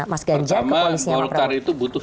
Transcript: mas ganjar ke koalisinya mas praud pertama golkar itu butuh